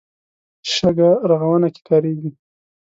شګه رغونه کې کارېږي.